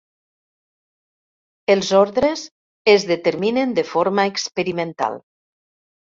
Els ordres es determinen de forma experimental.